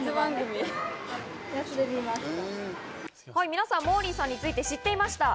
皆さんモーリーさんについて知っていました。